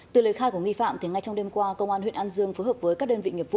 từ lời khai của nghi phạm ngay trong đêm qua công an huyện an dương phối hợp với các đơn vị nghiệp vụ